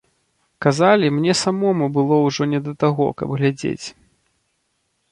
Казалі, мне самому было ўжо не да таго, каб глядзець.